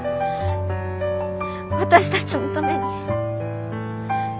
私たちのために。